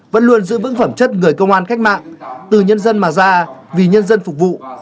vẫn luôn giữ vững phẩm chất người công an cách mạng từ nhân dân mà ra vì nhân dân phục vụ